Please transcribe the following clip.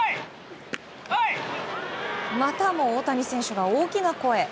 またも大谷選手が大きな声。